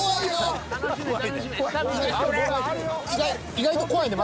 意外と怖いね。